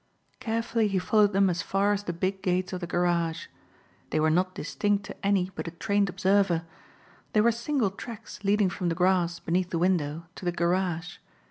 Carefully he followed them as far as the big gates of the garage. They were not distinct to any but a trained observer. They were single tracks leading from the grass beneath the window to the garage.